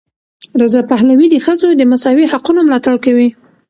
رضا پهلوي د ښځو د مساوي حقونو ملاتړ کوي.